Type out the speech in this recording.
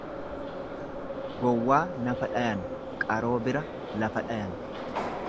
Gowwaa nafa dhayan qaroo bira lafa dhayan.